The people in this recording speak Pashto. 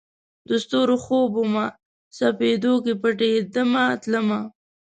د ستورو خوب ومه، سپیدو کې پټېدمه تلمه